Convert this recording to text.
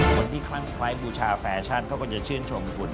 คนที่คลั่งคล้ายบูชาแฟชั่นเขาก็จะชื่นชมคุณ